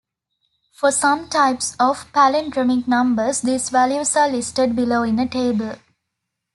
For some types of palindromic numbers these values are listed below in a table.